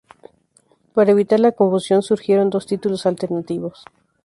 Para evitar la confusión, surgieron dos títulos alternativos.